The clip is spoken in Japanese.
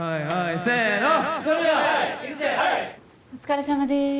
お疲れさまです。